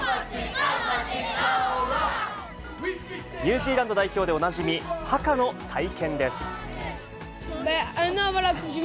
ニュージーランド代表でおなじみ、ハカの体験です。